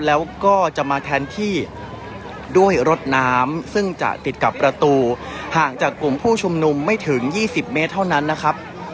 แล้วก็จะมาแทนที่ด้วยรถน้ำซึ่งจะติดกับประตูห่างจากกลุ่มผู้ชุมนุมไม่ถึง๒๐เมตรเท่านั้นนะครับ